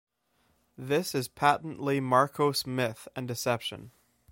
This is patently Marcos myth and deception.